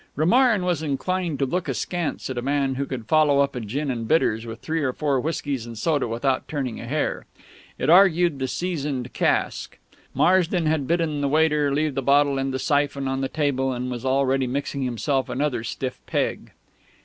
Romarin was inclined to look askance at a man who could follow up a gin and bitters with three or four whiskeys and soda without turning a hair. It argued the seasoned cask. Marsden had bidden the waiter leave the bottle and the syphon on the table, and was already mixing himself another stiff peg.